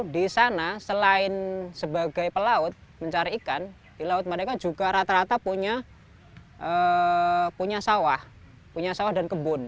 di sana selain sebagai pelaut mencari ikan di laut mereka juga rata rata punya sawah punya sawah dan kebun